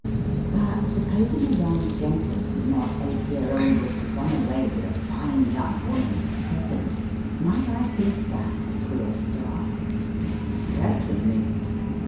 But supposing a young gentleman not eight year old was to run away with a fine young woman of seven, might I think that a queer start? Certainly.